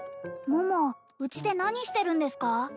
桃うちで何してるんですか？